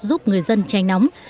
giúp người dân chanh nóng